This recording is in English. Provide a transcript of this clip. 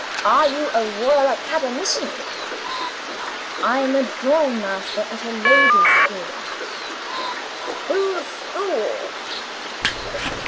'Are you a Royal Academician?' 'I'm a drawing master at a ladies' school.' 'Whose school?